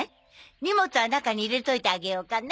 荷物は中に入れといてあげようかね。